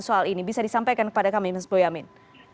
soal ini bisa disampaikan kepada kami mas boyamin